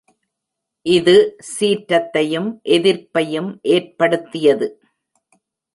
இது சீற்றத்தையும் எதிர்ப்பையும் ஏற்படுத்தியது.